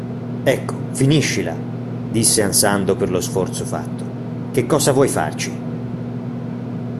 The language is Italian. Ecco, finiscila, – disse ansando per lo sforzo fatto, – che cosa vuoi farci?